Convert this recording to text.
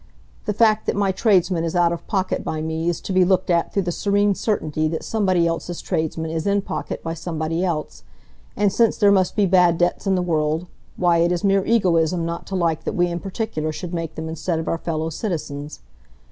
The fact that my tradesman is out of pocket by me is to be looked at through the serene certainty that somebody else's tradesman is in pocket by somebody else; and since there must be bad debts in the world, why, it is mere egoism not to like that we in particular should make them instead of our fellow citizens.